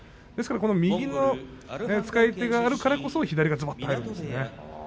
右の使い方があるからこそ左手がいけるんですね。